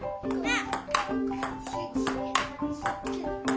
あっ。